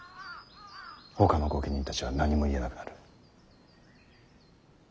ほかの御家人たちは何も言えなくなる。